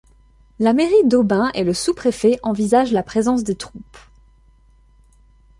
La mairie d'Aubin et le sous-préfet envisagent la présence des troupes.